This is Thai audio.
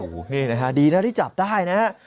โอ้โหนี่นะฮะดีนะที่จับได้นะฮะ